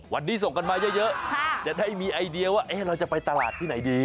วันนี้ส่งกันมาเยอะจะได้มีไอเดียว่าเราจะไปตลาดที่ไหนดี